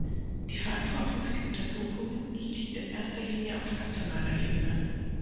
Die Verantwortung für die Untersuchungen liegt in erster Linie auf nationaler Ebene.